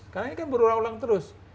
karena ini kan berulang ulang terus